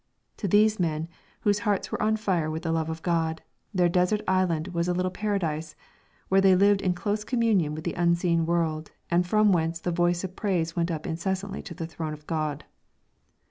To these men, whose hearts were on fire with the love of God, their desert island was a little paradise, where they lived in close communion with the unseen world, and from whence the voice of praise went up incessantly to the throne of God.